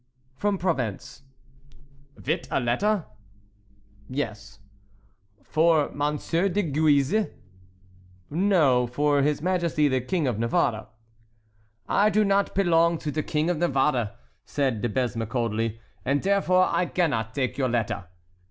"From Provence." "Vit a ledder?" "Yes." "For Monsir dee Gouise?" "No; for his majesty the King of Navarre." "I do not pelong to de King of Navarre," said De Besme coldly, "and derefore I gannot dake your ledder."